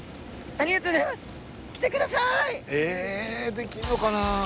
できるのかな？